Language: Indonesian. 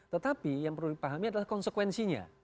tetapi yang perlu dipahami adalah konsekuensinya